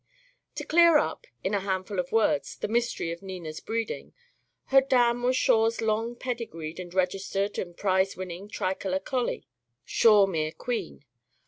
To clear up, in a handful of words, the mystery of Nina's breeding, her dam was Shawe's long pedigreed and registered and prize winning tricolour collie, Shawemere Queen.